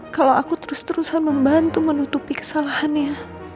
kalau aku terus terusan membantu menutupi kesalahannya